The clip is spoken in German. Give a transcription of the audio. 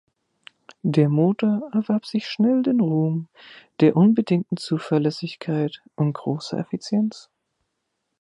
Der Motor erwarb sich schnell den Ruhm der unbedingten Zuverlässigkeit und großer Effizienz.